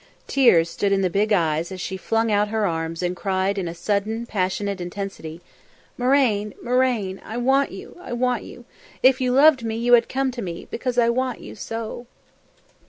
Tears stood in the big eyes as she flung out her arms and cried in a sudden passionate intensity, "Marraine! Marraine! I want you I want you! If you loved me, you would come to me, because I want you so!"